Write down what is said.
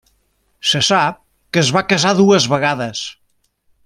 Se sap que es va casar dues vegades.